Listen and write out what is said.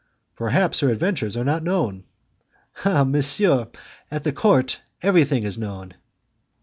"Perhaps her adventures are not known." "Ah, monsieur! at the court everything is known."